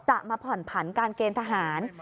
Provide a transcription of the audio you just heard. มาผ่อนผันการเกณฑ์ทหาร